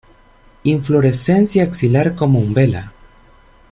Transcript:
Inflorescencia axilar, como umbela.